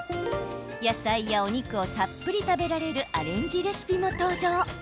野菜やお肉をたっぷり食べられるアレンジレシピも登場。